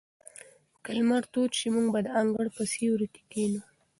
که لمر تود شي، موږ به د انګړ په سیوري کې کښېنو.